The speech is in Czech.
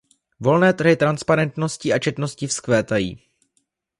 Volné trhy transparentností a čestností vzkvétají.